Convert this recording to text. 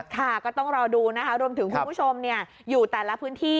ค่ะก็ต้องรอดูนะคะรวมถึงคุณผู้ชมอยู่แต่ละพื้นที่